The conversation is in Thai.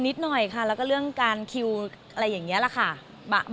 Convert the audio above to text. นิดหน่อยค่ะแล้วก็เรื่องการคิวอะไรอย่างนี้แหละค่ะ